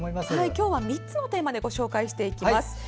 今日は、３つのテーマでご紹介していきます。